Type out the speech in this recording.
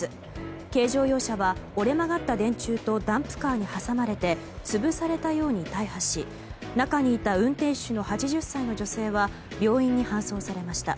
軽乗用車は折れ曲がった電柱とダンプカーに挟まれて潰されたように大破し中にいた運転手の８０歳の女性は病院に搬送されました。